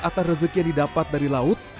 atas rezeki yang didapat dari laut